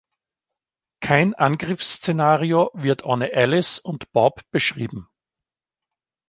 Kein Angriffsszenario wird ohne Alice und Bob beschrieben.